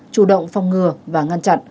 chủ động phòng ngừa và ngăn chặn